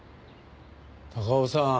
高尾さん。